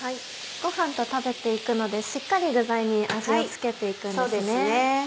ご飯と食べて行くのでしっかり具材に味を付けて行くんですね。